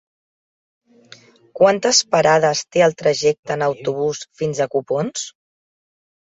Quantes parades té el trajecte en autobús fins a Copons?